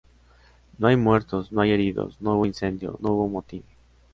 No hay muertos, no hay heridos, no hubo incendio, no hubo motín.